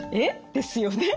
ですよね。